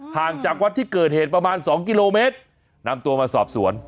จากวัดที่เกิดเหตุประมาณสองกิโลเมตรนำตัวมาสอบสวน